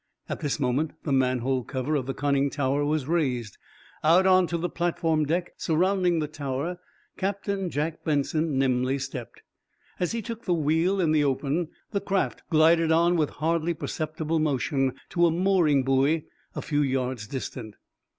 At this moment the manhole cover of the conning tower was raised. Out onto the platform deck surrounding the tower Captain Jack Benson nimbly stepped. As he took the wheel in the open, the craft glided on with hardly perceptible motion to a mooring buoy a few yards distant.